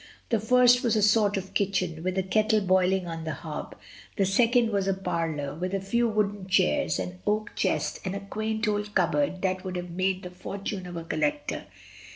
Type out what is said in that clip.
The first was a sort of kitchen, with a kettle boiling on the hob; the second was a parlour, with a few wooden chairs, an oak chest, and a quaint old cupboard that would have made the fortune of a collector.